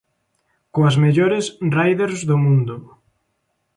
Coas mellores riders do mundo.